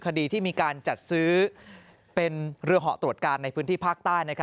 คดีที่มีการจัดซื้อเป็นเรือเหาะตรวจการในพื้นที่ภาคใต้